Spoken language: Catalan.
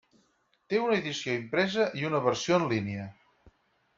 Té una edició impresa i una versió en línia.